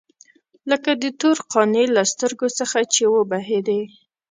لکه د تور قانع له سترګو څخه چې وبهېدې.